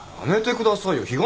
やめてくださいよ。